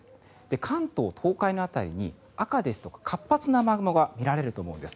関東、東海の辺りに赤ですとか、活発な雨雲が見られると思うんです。